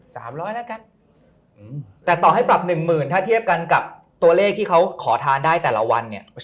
สามร้อยแล้วกันอืมแต่ต่อให้ปรับหนึ่งหมื่นถ้าเทียบกันกับตัวเลขที่เขาขอทานได้แต่ละวันเนี่ย